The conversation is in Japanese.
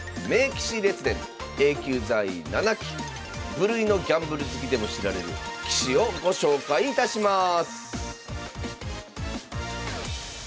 無類のギャンブル好きでも知られる棋士をご紹介いたします